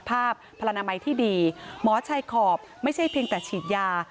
พลนามัยที่ดีหมอชัยขอบไม่ใช่เพียงแต่ฉีดยา